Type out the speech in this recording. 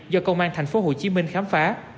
do công an tp hcm khám phá